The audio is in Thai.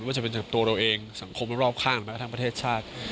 จะเป็นจากตัวเราเองสังคมรอบข้างแม้ทั้งประเทศชาติ